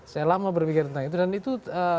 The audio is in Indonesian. saya lama berpikir tentang itu dan itu